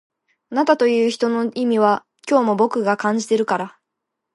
あなたという人の意味は今日も僕が感じてるから